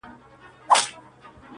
شپه كي هم خوب نه راځي جانه زما؛